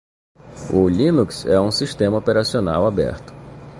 O Linux é um sistema operacional aberto.